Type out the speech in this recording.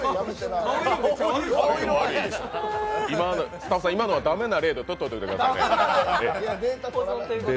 スタッフさん、今のは駄目な例でデータ取っておいてください。